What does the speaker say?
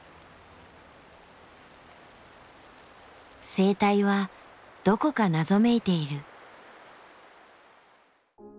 生態はどこか謎めいている。